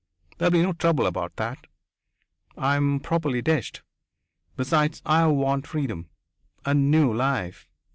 There'll be no trouble about that. I'm properly dished. Besides, I want freedom. A new life.